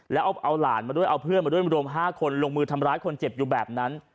แล้วเอาหลานมาด้วยเอาทาในโลม๕คนลงมือทำร้ายคนเจ็บอยู่แบบนั้น